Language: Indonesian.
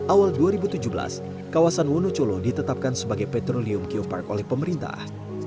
awal dua ribu tujuh belas kawasan wonocolo ditetapkan sebagai petrolium geopark oleh pemerintah